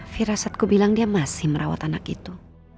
firasatku bilang dia masih merawat anak itu